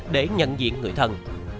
để nhận diện người thân